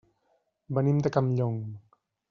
Venim de Campllong.